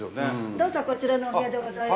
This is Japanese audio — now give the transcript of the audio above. どうぞこちらのお部屋でございます。